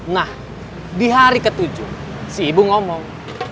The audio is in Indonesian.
nah di hari ketujuh si ibu ngomong